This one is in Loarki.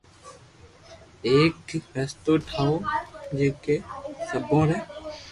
ايڪ رستو ٺاو جڪي سبو ري